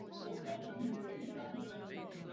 一度半海峡。